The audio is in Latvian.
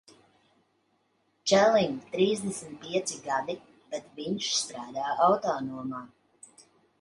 Čalim trīsdesmit pieci gadi, bet viņš strādā autonomā.